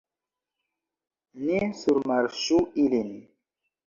Ni surmarŝu ilin.